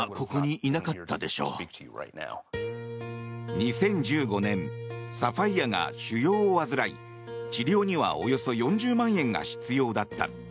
２０１５年サファイアが腫瘍を患い治療にはおよそ４０万円が必要だった。